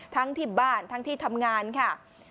ทั้งที่บ้านทั้งที่ทำงานค่ะ